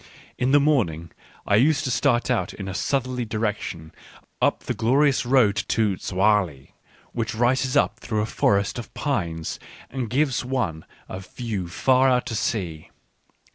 In the morning I used to start out in a southerly direction up the glorious road to Zoagli, which rises up through a forest of pines and gives one a view far out to sea.